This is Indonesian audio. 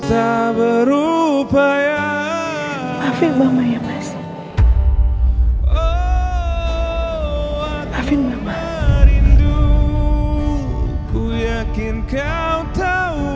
papa berdoa sambil meneteskan air mata